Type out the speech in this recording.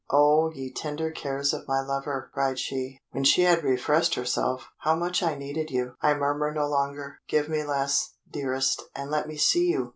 "Oh, ye tender cares of my lover," cried she, when she had refreshed herself, "how much I needed you! I murmur no longer. Give me less, dearest, and let me see you!"